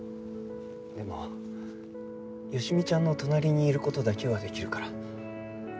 でも好美ちゃんの隣にいる事だけはできるから。